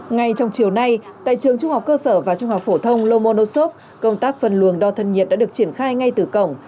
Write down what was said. ngay trong chiều nay tại trường trung học cơ sở và trung học phổ thông lomonosov công tác phân luồng đo thân nhiệt đã được triển khai ngay từ cổng